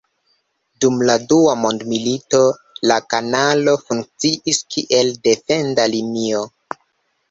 Dum la dua mondmilito la kanalo funkciis kiel defenda linio.